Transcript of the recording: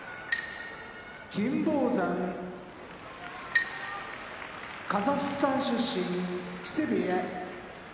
金峰山カザフスタン出身木瀬部屋